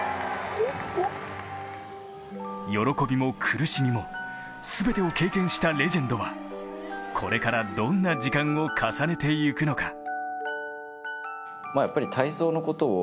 喜びも苦しみも全てを経験したレジェンドはこれからどんな時間を重ねてゆくのか。